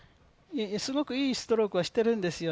すごくいいストロークはしてるんですよ。